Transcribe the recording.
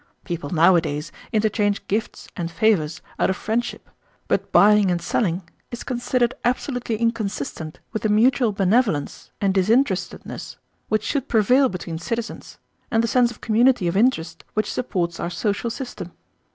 People nowadays interchange gifts and favors out of friendship, but buying and selling is considered absolutely inconsistent with the mutual benevolence and disinterestedness which should prevail between citizens and the sense of community of interest which supports our social system.